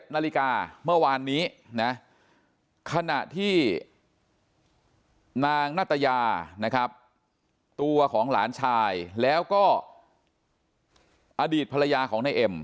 นาฬิกาเมื่อวานนี้นะขณะที่นางนัตยานะครับตัวของหลานชายแล้วก็อดีตภรรยาของนายเอ็ม